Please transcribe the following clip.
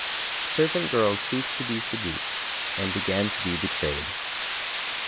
Servant girls ceased to be seduced, and began to be /betrayed